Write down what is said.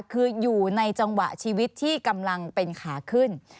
คืออยู่ในจังหวะชีวิตที่กำลังเป็นขาขึ้น